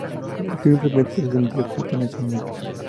Simplemente se sentía justo en ese momento.